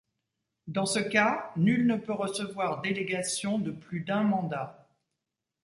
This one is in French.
Dans ce cas, nul ne peut recevoir délégation de plus d'un mandat.